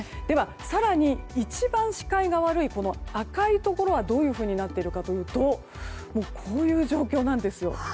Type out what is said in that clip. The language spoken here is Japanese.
では、更に一番視界が悪い赤いところはどういうふうになっているかというともうこういう状況なんですよ。